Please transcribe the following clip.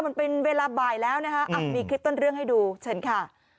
มันเป็นเวลาบ่ายแล้วนะคะมีคลิปต้นเรื่องให้ดูเชิญค่ะ